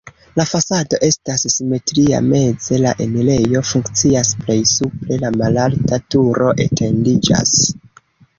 La fasado estas simetria, meze la enirejo funkcias, plej supre la malalta turo etendiĝas.